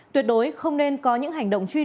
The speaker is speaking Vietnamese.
tuyệt đối không nên có những hành động truy đuổi